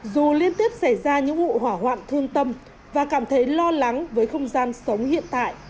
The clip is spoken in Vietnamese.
dù liên tiếp xảy ra những vụ hỏa hoạn thương tâm và cảm thấy lo lắng với không gian sống hiện tại